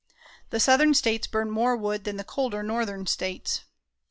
The Southern States burn more wood than the colder Northern States.